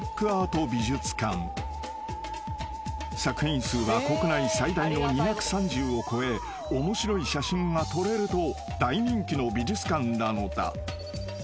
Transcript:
［作品数は国内最大の２３０を超え面白い写真が撮れると大人気の美術館なのだ］